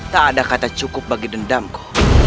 tak ada kata cukup bagi dendamku